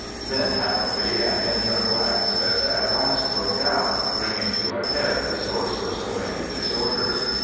Then, happily, an internal abscess at last broke out, bringing to a head the source of so many disorders.